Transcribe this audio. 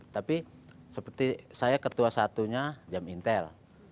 tapi seperti saya ketua satunya jam intel